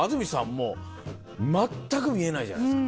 もう全く見えないじゃないですか。